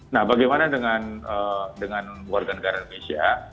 nah bagaimana dengan warga negara indonesia